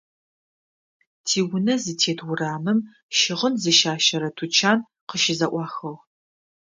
Тиунэ зытет урамым щыгъын зыщащэрэ тучан къыщызэӀуахыгъ.